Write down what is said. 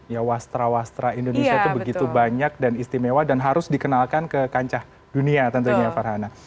ya wastra wastra indonesia itu begitu banyak dan istimewa dan harus dikenalkan ke kancah dunia tentunya farhana